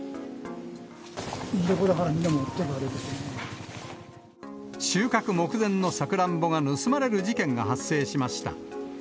いいところだけみんな持って収穫目前のサクランボが盗まれる事件が発生しました。